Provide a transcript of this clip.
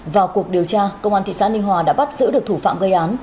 vào cuộc điều tra công an thị xã ninh hòa đã bắt giữ được thủ phạm gây án